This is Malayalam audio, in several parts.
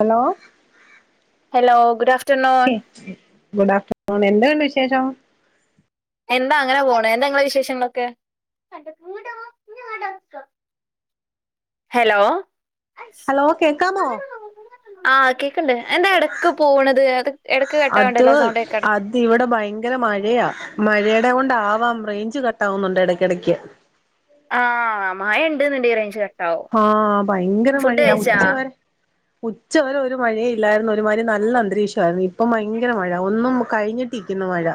Hello hello good afternoon good afternoon എന്തുണ്ട് വിശേഷം എന്താ അങ്ങനെ പോണ് എന്താങ്ങളെ വിശേഷങ്ങളൊക്കെ [unintelligible] ഹലോ ഹലോ കേൾക്കാമോ ആ കേ ണ്ട് എന്താ എടക്ക് പോണത് അത് എടക്ക് അത് കട്ടാവ്ണ്ടല്ലോ സൗണ്ട്കേക്കാട് അത് ഇവിടെ ഭയങ്കര മഴയാ മഴയുടെ കൊണ്ട ആവാം റേഞ്ച് കട്ടാവുന്നുണ്ട് എടക്കെടക്ക് ആ മയണ്ട് ന്ന്ണ്ട് [unintelligible] ആ ഭയങ്കര മഴയാ ഉച്ചവരെ ഉച്ചവരെ ഒരു മഴേ ഇല്ലായിര്ന്നു ഇത് മാരി നല്ല അന്തരീക്ഷാ യിരുന്നു ഇപ്പം ഭയങ്കര മഴ ഒന്നും കഴിഞ്ഞി ഇക്കുന്നു മഴ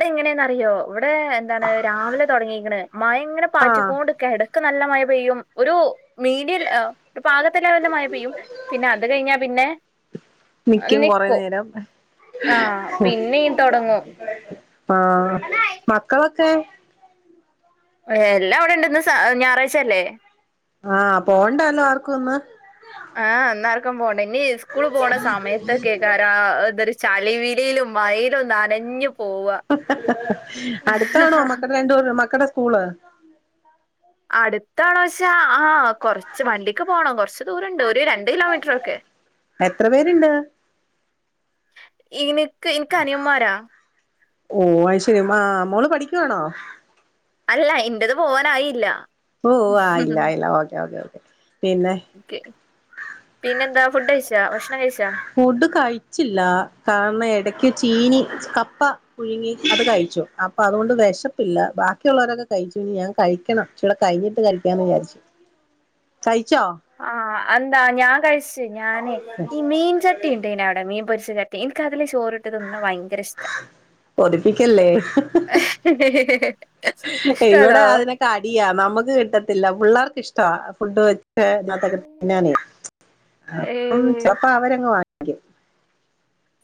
ഇപ്പ എങ്ങനെന്നറിയോ ഇവിടെ എന്താണ് രാവിലെ തൊടങ്ങീക്ക്ണ് മയ ഇങ്ങനെ ആഹ് പാറ്റിക്കൊണ്ട്ക്ക എടക്ക് ന്ന് നല്ല മയ പെയ്യും ഒരു മീഡിയൽ എ ഒരു പാകത്ത് ന് തന്നെ മയ പെയ്യും പിന്നെ അത് കഴിഞ്ഞാ പിന്നെ നിക്കും കൊറേ ന്നേരം ആ പിന്നിം തൊടങ്ങും ആ മക്കളൊക്കെ എല്ലാ ഇവിടെ ഇണ്ട് ഇന്ന് സ ഞാറായ്ച്ചല്ലേ ആ പോണ്ടല്ലോ ആർക്കും ഒന്ന് ആ ഇന്നാർക്കും പോണ്ടേ ഇനി സ്കൂള് പോണ സമയത്തൊക്കെ ക്കാരാ ഇതൊര് ചളിവിലെലും മയെലും ന്നനഞ്ഞു അടുത്താണോ മക്കടെ രണ്ടൂ മക്കടെ സ്കൂള് അടുത്താണോച്ചാ ആ കൊറച്ച് വണ്ടിക്ക് പോണം കൊറച്ച് ദൂരണ്ട് ഒര് രണ്ട് കിലോമീറ്ററൊക്കെ എത്ര പേരുണ്ട് ഇനി ഇന്ക്ക് അനിയന്മാരാ ഓ അയ്ശരി മാ മോള് പഠിക്കുവാണോ അല്ല ഇന്റത് പോവാനായില്ല ഓ ആയില്ല ഇല്ല ഓകെ ഓകെ ഓക്കെ പിന്നെ ക്കെ പിന്നെന്താ ഫുഡ് ഴിച്ചാ ഭക്ഷ ഫുഡ് കഴിച്ചില്ല കാരണം എടക്ക്ച്ച് ചീനി കപ്പ പുഴുങ്ങി അത് കഴിച്ചു അപ്പൊ അതൊണ്ട് വെശപ്പില്ല ബാക്കിയുള്ളോരൊക്കെ കഴിച്ചു ഞാൻ കഴിക്കണം എല്ല കഴിഞ്ഞിട്ട് കഴിക്കാന്ന് വിയാര്ച്ച് കഴി ആ എന്താ ഞാൻ കഴിച്ച് ഞാനേ ഈ മീൻചട്ടി ഇണ്ടെനി അവിടെ മീൻ പൊ രിച്ച ചട്ടി ഇൻക്ക അതില് ചോറിട്ട് തിന്ന്ണ വയ ങ്കര ഇഷ്ട കൊതിപ്പിക്കല്ലേ ഹ് ഹ് ഹ് ഹ് ഇവിടെ അതിനൊക്കെ അടിയാ നമുക്ക് കിട്ടത്തില്ല പിള്ളേർക്ക് ഇഷ്ടാ ഫുഡ് വെച്ച [unintelligible] അപ്പം ഏയ് അപ്പ അവരങ്ങ് വാങ്ങി ഭാഗ്യം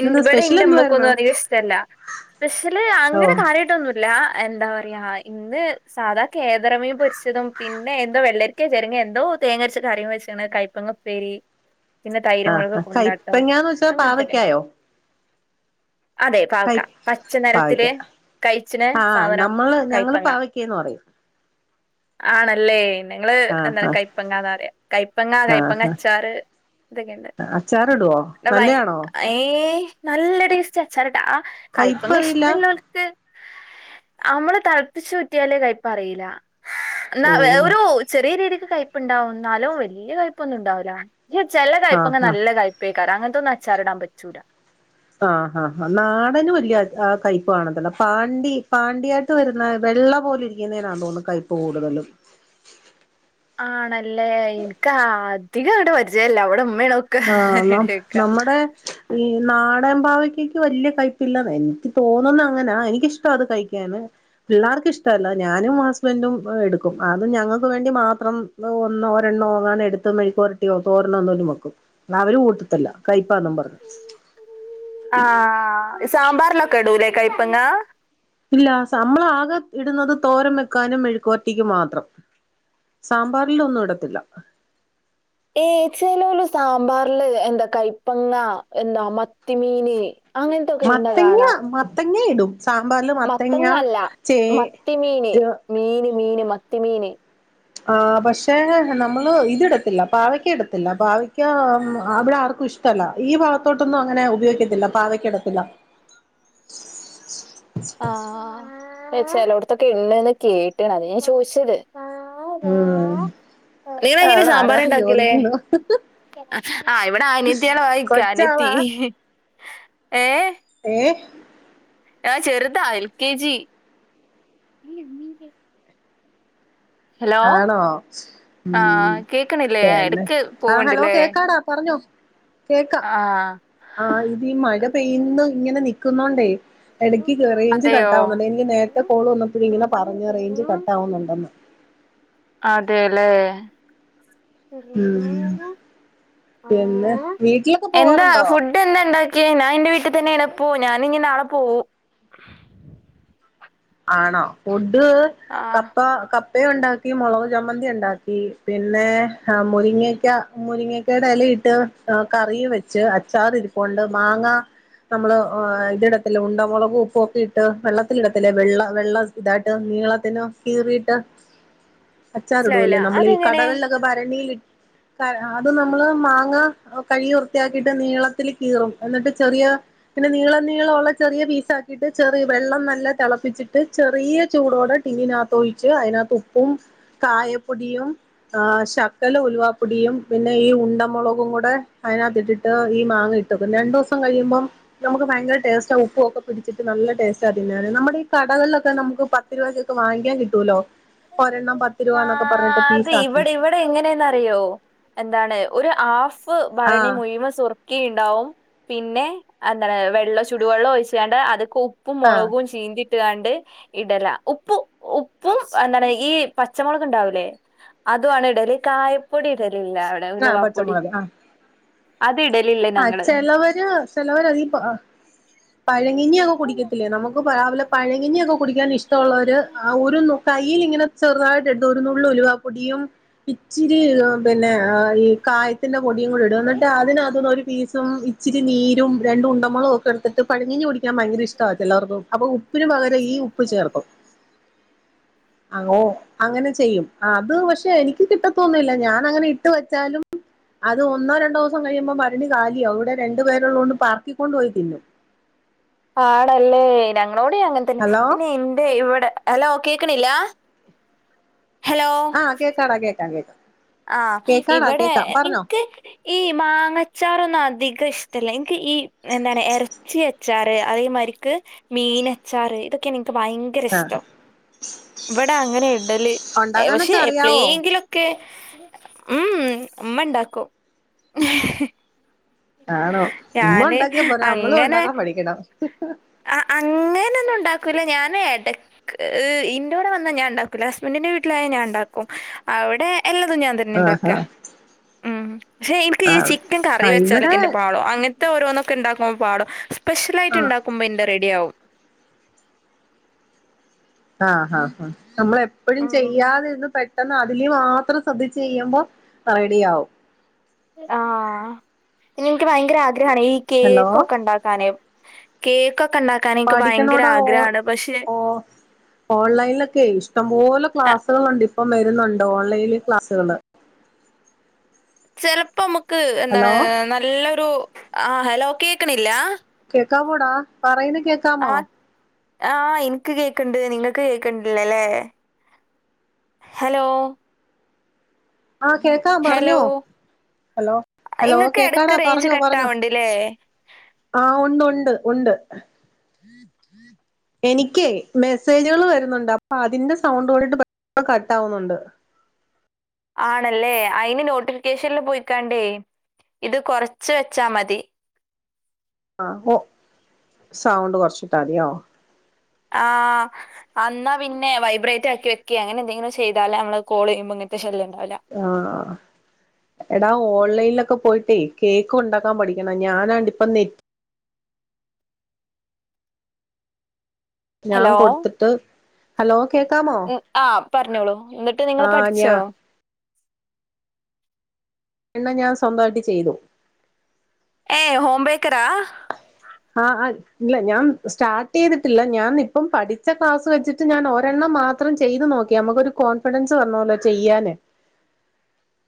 ഇവിടെ ഇന്റെ ഇമ്മക്കൊന്നും അധിക ഇഷ്ടല്ല പെഷ്യല് ഓ അങ്ങനെ കാര്യായിട്ടൊന്നുല്ല എന്താ പറയ് ഇന്ന് സാധാ കേദറ മീം പൊരിച്ചതും പിന്നെ എന്തോ വെള്ളരിക്കെ ചെരങ്ങേ എന്തോ തേങ്ങര്ച്ച കറിയും വെച്ച്ണ് കൈപ്പങ്ങ ഉപ്പേരി പിന്നെ തൈര് ആ മൊളക് കൊണ്ടാട്ടം കൈപ്പങ്ങാന്ന് വെച്ചാ അങ്ങൻ ത്തൊക്കെ പാവയ്ക്കായോ അതെ കൈ പാവക്ക പച്ച പാവയ്ക്ക നിറത്തില് കഴിച്ച്ന് ആ സാവനം നമ്മള് ഞങ്ങള് കയ്പ്പങ്ങ പാവയ്ക്കന്ന് പറയും ആണല്ലേ ഞങ്ങള് ആ എന്താണ് ആ കയ്പ്പങ്ങാന്നറി യാ കയ്പ്പങ്ങ കയ്പ്പങ്ങ അച്ചാറ് ഇതൊക്കെണ്ട് അച്ചാറ് ഇടുവോ നല്ലയാണോ ഏയ് നല്ല ടേസ്റ്റ് അച്ചാറ്ടാ ആ കയ് പ്പങ്ങ കയ്പറിയില്ല ഇഷ്ടല്ലോൽക്ക് അമ്മള് തള്പ്പിചൂറ്റിയാല് കയ് പ്പ് അറീല എന്നാ ഓ വെ ഒരു ചെറിയ രീതിക്ക് കയ്പ്പുണ്ടാവും ഇന്നാലു വല്ല്യ കയ്പ്പൊന്നും ഇണ്ടാവുല ഹ് ചെല ആ കയ്പ്പങ്ങ ആ നല്ല കയ്പ്പെ ക്കാരം അങ്ങൻത്തൊന്നു അച്ചാറിടാൻ പറ്റൂല ആ ആ ഹാ നാടന് വല്ല്യ ആ കൈപ്പ് [unintelligible] പാണ്ടി പാണ്ടിയാട്ട് വരുന്ന വെള്ള പോല ഇരിക്കുന്നതിനാ തോൺണ് കൈപ്പ് കൂടുതലും ആണല്ലേ എനിക്ക് ആധികങ്ങട്ട് പരിചയല്ല ഇവിട ഇമ് ഹാ നമ് നമ്മടെ ഈ നാട ടൻ പാവക്കക്ക് വല്ല്യ കയ്പ്പില്ല എനിക്ക് തോന്നുന്ന അങ്ങനാ എനിക്കിഷ്ട അത് കഴിക്കാന് പിള്ളേർ ഇക്ക് ഇഷ്ടല്ല ഞാനും അ സ്ബൻഡും എടുക്കും അതു ഞങ്ങക്ക് വേണ്ടി മാത്രം ഒന്നോ രണ്ടോ [unintelligible] എടുത്ത് മെഴുക്ക്പൊരട്ടിയോ തോരനോ എന്തേലും വെക്കുംന്നാ അവര് കൂട്ട് ആഹ സാമ്പാറിലൊക്കെ ഇടൂലേ? കയ്പ്പങ്ങ ഇല്ല നമ്മളാകെ ഇടുന്നത് തോരം വെക്കാനും മെഴുക്കോറ്റക്ക് മാത്രം സാമ്പാറിലൊന്നു ഇടതില്ല. ഏച്ചലള്ളു സാമ്പാറില് എന്താ കൈപ്പങ്ങ എന്താ മത്തിമീന്. അങ്ങനത്തെ ഒക്കെ ഇടുന്ന മത്തങ്ങ കാണാം മത്തങ്ങ ഇടും സാമ്പാറില് മത്തങ്ങ ചേ മത്തിമീന് മീന് മത്തി മീന് ആ പക്ഷെ നമ്മള് ഇത്ടത്തില്ല പാവക്ക ഇടത്തില്ല പാവക്ക അവിടെ ആർക്കും ഇഷ്ട ല്ല ഈ ഭാഗത്തോട്ടൊന്നും അങ്ങനെ ഉപയോഗിക്കത്തില്ല പാവക്കിടത്തില്ല. ആഹ ചേലോടതൊക്കെ ഇണ്ടന്ന് കേട്ടാണ് അത ഞാൻ ചോദിച്ചത്. ആഹ് നീ വെങ്ങനെ സാമ്പാർ ണ്ടാക്കല്? ആഹ് ഇവിടെ അനത്തിയാണ് വായിക്ക അനത്തി കൊച്ചാളാ ഏ. ഏ ചെറ്താ എൽ കെ ജി ഹലോ ആണോ ആ ഉം കേക്കണില്ലേ ആ, പിന്നെ ഇടക്ക് ആ ഹലോ കേക്കാടാ പറഞൊ. ആ [inaudible] ആഹ് ആ ഇത് മഴ പെയ്യുന്നു ഇങ്ങനെ നിക്കുന്നോണ്ടേ. ഇടക്ക് റേയ്ഞ്ച് അതെയോ കട്ടാവുന്നുണ്ട് എനിക്ക് നേരത്തെ കോൾ വന്നപ്പോഴ ഇങ്ങനെ പറഞ്ഞഞ് റേഞ്ച് കട്ട് ആവുന്നുണ്ടെന്ന്. അതെല്ലേ ഉം പിന്നെ വീട്ടിലൊക്കെ പോവാറുണ്ടോ? ഞാന്റെ വീട്ടിൽ തന്നെണ് പ്പൊ ഞാന്ഞ്ഞി നാളെ പോവു. ആണോ ഫുഡ് ആഹ് കപ്പ കപ്പയയും ഉണ്ടാക്കി മുളക് ചമ്മന്തി ഉണ്ടാക്കി. പിന്നെ മുരിങ്ങക്ക മുരിങ്ങക്കയുടെ ഇലയിട്ട് കറി വെച്ച് അച്ചാറി ഇരിപ്പണ്ട് മാങ്ങ നമ്മള് ഇതിടത്തില്ലെ ഉണ്ടമുളക് ഉപ്പൊക്കെ ഇട്ട് വെള്ളത്തിടതില്ലേ? വെള്ള വെള്ള തായിട്ട് നീളത്തിൽ കീറിട്ട് അച്ചാർ മനസ്സിലായില്ല ഇടൂലെ നമ്മൾ ഈ അതെങ്ങനെ കടകളിലൊക്കെ ഭരണിയില് [inaudible] അത് നമ്മള് മാങ്ങ കഴുകി വൃത്തിയാക്കിയിട്ട് നീളത്തില് കീറും എന്നിട്ട് ചെറിയ- പിന്നെ നീളം നീളമുള്ള ചെറിയ പീസാക്കിയിട്ട് ചെറിയ വെള്ളം നല്ല- തിളപ്പിച്ചിട്ട് ചെറിയ ചൂടോടെ ടിന്നിനകത്ത് ഒഴിച്ച് അതിനകത്ത് ഉപ്പും കായപ്പൊടിയും- ആ് ശകലം ഉലവാപ്പൊടിയും പിന്നെ ഈ ഉണ്ടമുളകും കൂടെ അതിനകത്തിട്ടിട്ട് ഈ രണ്ട് ദിവസം കഴിയ്മ്പം നമക്ക് ഭയങ്കര ടേസ്റ്റ് ഉപ്പും ഒക്കെ പിടിച്ചിട്ട് നല്ല ടേസ്റ്റാണ്. നമ്മ കടളൊക്കെ നമുക്ക് പത്ത് രൂപക്കൊക്കെ വാങ്ങിക്കാ കിട്ടൂല്ലോ. ആ അതെയ് പീസാക്കി ഇവിടെ ഇവിടെ എങ്ങനെയന്ന് അറിയോ എന്താണ്. ഒരു ഹാഫ് ഭരണി ആഹ് മുഴുവൻ സുറുക്കിണ്ടാവും. പിന്നെ എന്താണ് വെള്ള ചുടുവെള്ളം ഒഴിച്ഛ് ങ്ങാണ്ട് അതൊക്കെ ഉപ്പും ആഹ് മുളകും ചീന്തി ട്ടുകണ്ട് ഇടല ഉപ്പ് ഉ [unintelligible] ഇപ്പം എന്താണ് ഈ പച്ചമുളക് ഉണ്ടാവൂലേ അതുണ് ഇടല് കായപ്പൊടി ഇടൽ ഇല്ല ഇവടെ ആഹ് ഉലുവപ്പൊടി ആ ചിലവര് ചിലവര അധീ പഴങ്കഞ്ഞിയൊക്കെ കുടിക്കത്തില്ലേ നമുക്ക് രാവിലെ പഴങ്ങിനിയൊക്കെ. കുടിക്കാൻ ഇഷ്ടമുള്ളവര് ആ ഒരു കയ്യിൽ ഇങ്ങനെ- ചെറുതായിട്ട് ഒരുന്നുള്ള് ഉലുവപ്പൊടിയും ഇച്ചിരി പിന്നെ ആ ഈ കായത്തിന്റെ പൊടിയും കൂടി ഇടും എന്നിട്ട് അതിനകതൊന്ന ഇച്ചിരി നീരും രണ്ട് ഉണ്ടമുളകും ഒക്കെ എടുത്തിട്ട് പഴങ്കഞ്ഞി കുടിക്കൻ ഭയങ്കര ഇഷ്ടമാണ് എല്ലാവർക്കും അപ്പൊ ഉപ്പിന് പകര ഈ ഉപ്പ് ചേർത്തും അ ആണൊ അങ്ങനെ ചെയ്യും അത് പക്ഷെ എനിക്ക് കിട്ടത്തൊന്നില്ല ഞാൻ അങ്ങനെ ഇട്ട് വെച്ചാലും- അത് ഒന്നോ രണ്ടോ ദിവസം കഴിയുമ്പോ- ഭരണി കാലിയാവും അവിടെ രണ്ടു പേരുള്ളൊണ്ട് പറക്കികൊണ്ടുപോയി തിന്നും പാടല്ലേ ഞങ്ങളോടെ അങ്ങനെ തന്നെ ഹലോ പിന്നെ എന്റെ ഇവിടെ ഹലോ കേക്കണില്ല ആഹ് കേക്കാം ടാ കേക്കാം കേക്കാം ആഹ കേക്കാടാ ഇവിടെ പറഞ്ഞോ എനിക്ക് ഈ മാങ്ങച്ചാറൊന്നും അധികം ഇഷ്ടല്ല ഈ എന്താണ് ഇറച്ചി അച്ചാറ് അതേമാതിരിക്ക് മീൻ അച്ചാറ് ഇതൊക്കെ- എക്ക് ഭയങ്കര ആഹ് ഇഷ്ടം ഇവിടെ അങ്ങനെ ഇടല് പക്ഷെ ഉണ്ടാക്കാനൊക്കെ അറിയാവോ എപ്പഴെങ്കിലുംക്കെ ഉം അമ്മണ്ടാക്കും ആണോ ഉമ്മ ഉണ്ടാക്കിയാ പോരാ നമ്മളും ഉണ്ടാക്കാ പഠിക്കണം ആ അ അങ്ങനെയൊന്നും ഉണ്ടാക്കൂില്ല ഞാന് ഇടക്ക് ഇൻററെൂടെ വന്നാ ഞൻ ഉണ്ടാക്കൂില്ല ഹസ്ബൻഡി്ന്റെ വീട്ടിലായ ഞാൻ ഉണ്ടാക്കും അവിടെ എല്ലാതും ഞാൻ തന്നെ ആ ആഹാ ഉണ്ടാക്കുക ഉം പക്ഷെ എനിക്ക് ഈ ആഹ് ചിക്കൻ കറി ആഹ് വെച്ചാലൊക്കെ ഇവിടെ എന്റെ പാളോ അങ്ങനത്തെ- ഇ ഓരോന്നൊക്ക ഉണ്ടാക്കുമ്പോ പാട സ്പെഷൽ ആയി് ആഹ് ഉണ്ടാക്കും റെഡി ആവും ആ ആ ആ നമ്മൾ എപ്പോഴും ചെയ്യാതെന്ന് പ പെെന്ന് അതില് മാത്രം ശ്രദ്ധി ചെയ്യുമ്പോ റെഡി ആാവും ആഹ ഇന്ന എനിക്ക് ഭയങ്കര ആഗ്രഹമാണ് ഈ ഹലോ കേക്കൊക്കെ ഉണ്ടാക്കാനേ പഠിക്കണോട ഓ പക്ഷെ ഓ ഓൺലൈനിലൊക്കെ ഇഷ്ടംപോലെ ക്ലാസ്സുകളൾുണ്ട് ഇപ്പം വരുന്നുണ്ട്ോ ഓൺലൈനിൽ ക്ലാസുകള് ചെിലപ്പോ നമുക്ക് എന്താണ് നല്ലൊരു ആ ഹലോ കേക്കണില്ല കേക്കാ പോൂടാ പറയന്ന് കേക്കാമോ ആഹ എനിക്ക് കേക്കണ്ട് നിങ്ങൾക്ക് കേക്കണ്ടില്ലല്ലേ ഹലോ ആഹ കേൾക്കാം ഹലോ പറഞ്ഞോ ഹലോ ഹലോ ഇങ്ങക്ക് എടക്ക് കേക്കാടാ റേഞ്ച് പറഞ്ഞോ പറഞ്ഞോ കട്ടാവ്ണ്ട്ല്ലേ ആഹ ഉണ്ട് ഉണ്ട് ഉണ്ട് എനിക്കേ മെസ്സേജുകൾ വരുന്നുണ്ട് അപ്പൊ അതിന്റെ സൗണ്ട് കടിട്ട് അ കട്ട ആാവുന്നുണ്ട് ആണല്ലേ അയിന് നോട്ടിഫിക്കേഷനൽ പോയിക്കാണ്ടേ ഇത് കൊറച്ച് വെച്ചാ മതി ആ ഓ സൗണ്ട് കുറച്ചിട്ടാതിയോ ആ അാ പിന്നെ വൈബ്രേറ്റ് ആക്കി വെക്ക അങ്ങനെ എന്തെങ്കിലും ചെയ്താല നമ്മള് കോൾ ചെയ്പോ ശല്യം ഉണ്ടാവില്ല ആഹ എടാ ഓൺലൈനിലൊക്കെ പോയിട്ടേ കേക്ക് ഉണ്ടാക്കാൻ പഠിക്കണ ഞാനാണ്ട്ിപ്പ നെറ്റ് ഞാൻ ഹലോ കൊടുത്തിട്ട് ഹലോ കേക്കാമോ ഉം ആഹ് പറഞ്ഞോളൂ എന്നിട്ട് നിങ്ങള് ആ ഞാ പഠിച്ചോ എണ്ണ ഞാാന് സ്വന്തമായിട്ട് ചെയ്തു ഏ ഓം ബേക്കറ ആ ആ ഇല്ല ഞാൻ സ്റ്റാർട്ട് ചെയ്തിട്ടില്ല ഞാൻ ഇപ്പം പഠിച്ച ക്ലാസ് വെച്ചിട്ട് ഞാൻ ഒരെണ്ണം മാത്രം അത്രം ചെയ്ത് നോക്കി നമുക്കൊരു കോൺഫിഡൻസ് പറണല്ലോ ചെയ്യാന്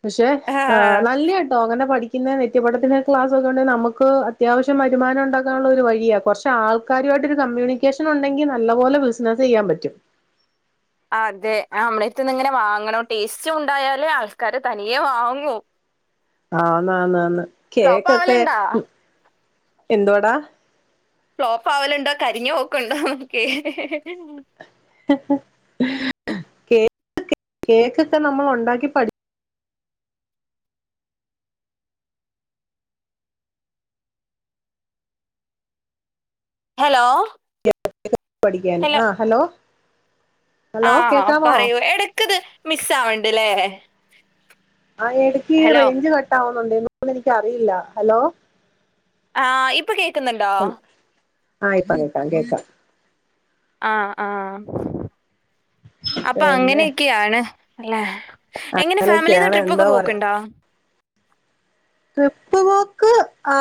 പക്ഷെ ആ് ആഹ് നല്ല കേട്ടോ അങ്ങനെ പഠിക്ക ുന്ന നിത്യപടത്തിന്റെ ക്ലസ് ഒക്കെെ നമുക്ക് അത്യാവശ്യം വരുമാനം ഉണ്ടാക്ക തള്ളൊരു വഴിയാ കുറച്ച് ആൾക്കാരുമായിട്ട് ഒരു കമ്മ്യൂണിക്കേഷൻ ഉണ്ടെങ്കിൽ നല്ല പോലെ ബിസ്സിനസെയ്യാൻ പറ്റും [inaudible] അതെ ആഹ് നമ്മുടെ അടുത്ത്ന്ന് ഇങ്ങനെ വാങ്ങണം ടേസ്റ്റ് ഉണ്ടായാല് ആൾക്കാര് തനിയേ വാങ്ങും ആഹ ന്നാന്നു ന്നാന്ന് ഫ്ലോപ്പ് കേക്കൊക്കെ ആവല്ണ്ടാ എന്തോടാ ഫ്ലോപ്പ് ആവലുണ്ടോ കരിഞ്ഞ പോക്കുണ്ടോ [unintelligible] കേക്ക് കേക്കൊക്കെ നമ്മൾ ഉണ്ടാക്കി പഠി ഹലോ പഠിക്കാന്. ആ ഹലോ. ഹലോ ആഹ കേക്കാമോ പറയൂ എടക്കത് മിസ്സ് ആവണ്ട്ല്ലേ ആ എടക്കി റേഞ്ച് കട്ടാവുന്നുണ്ട് എനിക്ക് അറിയില്ല. ഹലോ ആഹ് ഇപ്പൊ കേക്കുന്നുണ്ടോ? ആഹ് ഇപ്പം കേക്കാം കേക്കാം ആഹ് ആഹ് അപ്പൊ പിന്നെ അങ്ങനെയൊക്കെയാണ് അല്ലേ എങ്ങനെ ഫാമിലിന്ന് അങ്ങനെയൊക്കെയാണ് എന്തോ ട്രിപ്പൊക്കെ പറയാ പോക്ക്ണ്ടാ? ട്രിപ്പ് പോക്ക് ആ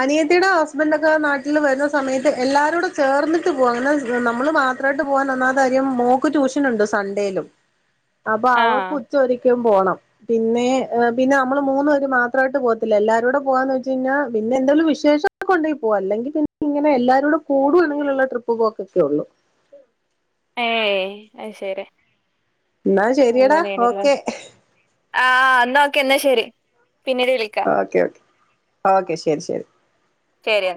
അനിയത്തിയുടെ ഹസ്ബൻഡ ഒക്കെ നാട്ടിൽ വരുന്ന സമയത്ത് എല്ലാരുംടെ ചേർന്നിട്ട് പോക അങ്ങനെ. നമ്മള് മാത്രായിട്ട് പോകാൻ ഒന്നാത്തെ കാര്യം മോക്ക് ട്യൂഷനൊണ്ട് സൺഡേലും. അപ്പൊ ആഹ് അവൾക്ക് ഉച്ച ഒരിക്ക്യം പോണം. പിന്നെ പിന്നെ മ്മള് മൂന്ന് പേര് മാത് അത്രായിട്ട് പോത്തില്ലാരൂടെ പോവാ എന്ന് വെച് കഴിഞ്ഞൽ പിന്നെന്തെങ്കും വിശേഷംക്ക കൊണ്ട പോക അെങ്ക പിന്നെ ഇനെ എല്ലാരരും പ്പ കൂടു എങ്കിലുള്ള ട്രിപ്പ് പോക്ക ഒക്കെ ഉള്ളൂ. ഏ അയ് ശരി. എന്നാ ശരിയടാ അങ്ങനേണല്ലേ. ഓക്കെ ആഹ ന്ന ഒക്കെ എന്നാ ശരി. പിന്നീട് വിളിക്ക ഓക്കെ ഓക്കെ ഓക്കെ ശരി ശരി ശരിയ